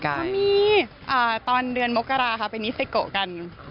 ก็มีตอนเดือนมกราค่ะไปนิสเซโกะกัน